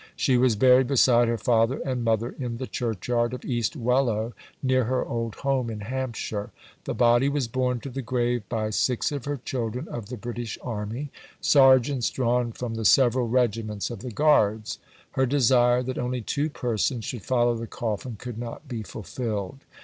She was buried beside her father and mother in the churchyard of East Wellow, near her old home in Hampshire. The body was borne to the grave by six of her "children" of the British Army sergeants drawn from the several regiments of the Guards. Her desire that only two persons should follow the coffin could not be fulfilled.